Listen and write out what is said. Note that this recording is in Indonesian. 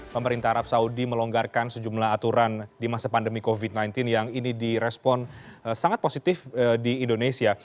pemerintah arab saudi melonggarkan sejumlah aturan di masa pandemi covid sembilan belas yang ini direspon sangat positif di indonesia